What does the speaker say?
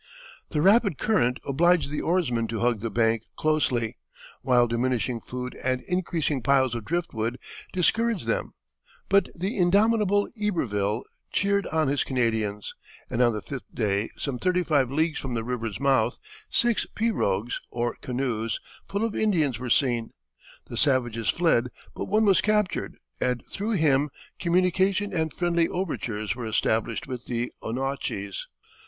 The rapid current obliged the oarsmen to hug the bank closely, while diminishing food and increasing piles of drift wood discouraged them; but the indomitable Iberville cheered on his Canadians, and on the fifth day, some thirty five leagues from the river's mouth, six pirogues, or canoes, full of Indians were seen. The savages fled, but one was captured, and through him communication and friendly overtures were established with the Annochys.